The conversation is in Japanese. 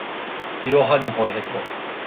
いろはにほへと